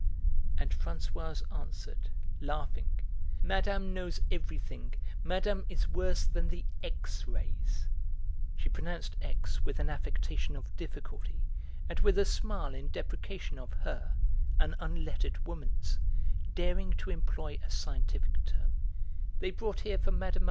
And Françoise answered, laughing: "Madame knows everything; Madame is worse than the X rays" (she pronounced 'x' with an affectation of difficulty and with a smile in deprecation of her, an unlettered woman's, daring to employ a scientific term) "they brought here for Mme.